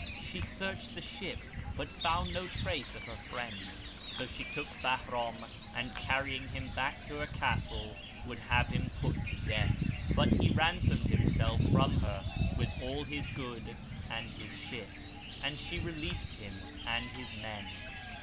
She searched the ship, but found no trace of her friend, so she took Bahram and, carrying him back to her castle, would have put him to death, but he ransomed himself from her with all his good and his ship; and she released him and his men.